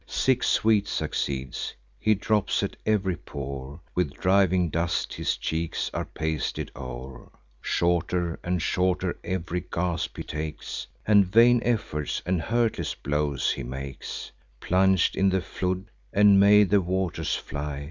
Sick sweat succeeds; he drops at ev'ry pore; With driving dust his cheeks are pasted o'er; Shorter and shorter ev'ry gasp he takes; And vain efforts and hurtless blows he makes. Plung'd in the flood, and made the waters fly.